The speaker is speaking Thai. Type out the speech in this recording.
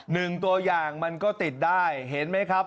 หนึ่งตัวอย่างมันก็ติดได้เห็นไหมครับ